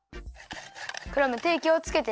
クラムてきをつけてね。